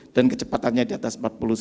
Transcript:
dan kecepatannya di atas empat puluh satu